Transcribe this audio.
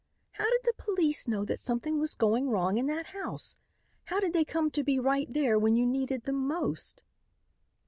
"How did the police know that something was going wrong in that house? How did they come to be right there when you needed them most?"